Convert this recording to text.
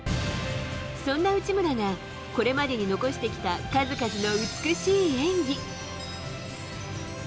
そんな内村が、これまでに残してきた数々の美しい演技。